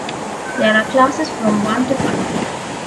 There are classes from one to five.